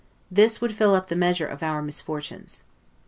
This would fill up the measure of our misfortunes.